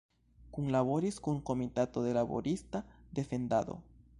Kunlaboris kun Komitato de Laborista Defendado.